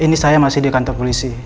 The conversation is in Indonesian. ini saya masih di kantor polisi